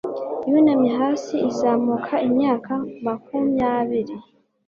Yunamye hasi izamuka imyaka makumyabiri